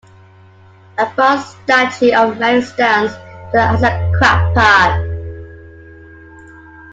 A bronze statue of Manning stands in an Issaquah park.